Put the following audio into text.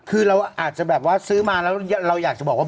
คือเราอาจจะแบบว่าซื้อมาแล้วเราอยากจะบอกว่า